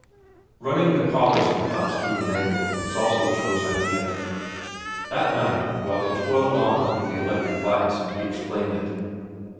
Running the collars and cuffs through the mangle was also Joe's idea. That night, while they toiled on under the electric lights, he explained it.